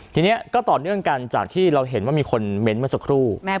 ทีนี้ก็ต่อเนื่องกันจากที่เราเห็นว่ามีคนเม้นต์เมื่อสักครู่